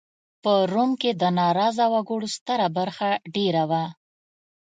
په روم کې د ناراضه وګړو ستره برخه دېره وه